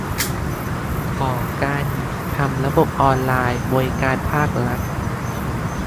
ของการทำระบบออนไลน์บริการภาครัฐ